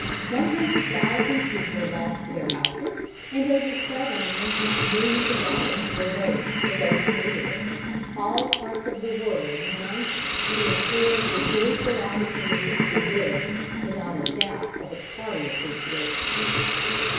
One hundred thousand people lost their houses, and over seven and one half millions of dollars were raised for those who needed it, all parts of the world uniting to improve the joyful opportunity to do good, without a doubt of its hearty appreciation.